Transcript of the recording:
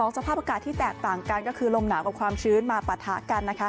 สภาพอากาศที่แตกต่างกันก็คือลมหนาวกับความชื้นมาปะทะกัน